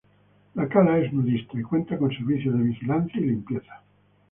La cala es nudista y cuenta con servicios de vigilancia y limpieza.